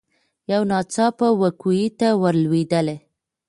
یو ناڅاپه وو کوهي ته ور لوېدلې